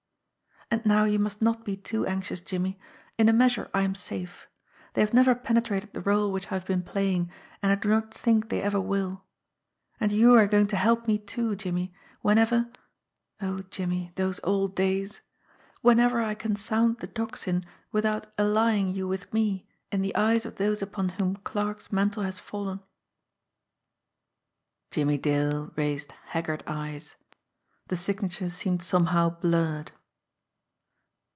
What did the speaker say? "And now you must not be too anxious, Jimmie. In a measure I am safe. They have never penetrated the role which I have been playing, and I do not think they ever will. And you are going to help me, too, Jimmie, whenever oh, Jimmie, those old days! whenever I can 'sound the Tocsin' without allying you with me in the eyes of those upon whom Clarke's mantle has fallen." Jimmie Dale raised haggard eyes. The signature seemed somehow blurred.